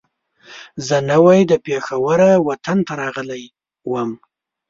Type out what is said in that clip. زه نوی له پېښوره وطن ته راغلی وم.